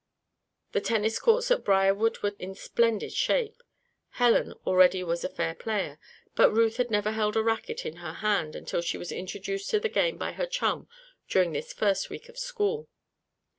The tennis courts at Briarwood were in splendid shape. Helen already was a fair player; but Ruth had never held a racket in her hand until she was introduced to the game by her chum during this first week at school.